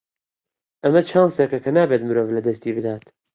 ئەمە چانسێکە کە نابێت مرۆڤ لەدەستی بدات.